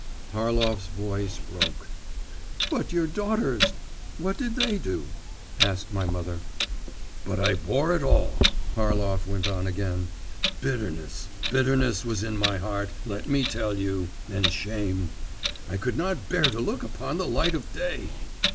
Harlov's voice broke. 'But your daughters? What did they do?' asked my mother. 'But I bore it all,' Harlov went on again; 'bitterness, bitterness was in my heart, let me tell you, and shame.… I could not bear to look upon the light of day!